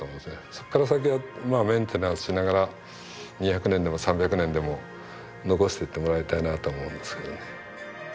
そっから先はメンテナンスしながら２００年でも３００年でも残していってもらいたいなと思うんですけどね。